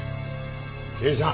刑事さん！